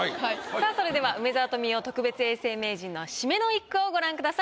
さあそれでは梅沢富美男特別永世名人の締めの一句をご覧ください。